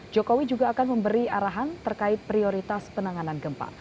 jokowi juga akan memberi arahan terkait prioritas penanganan gempa